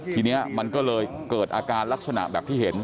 ทีนี้มันก็เลยเกิดอาการลักษณะแบบที่เห็น